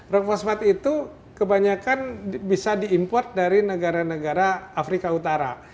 row fosfat itu kebanyakan bisa diimport dari negara negara afrika utara